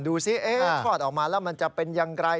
ดูสิทอดออกมาแล้วมันจะเป็นอย่างไร